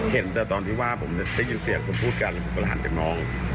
เห็นแต่ตอนที่ว่าผมได้ยินเสียงคนพูดกันแล้วผมก็หันไปมอง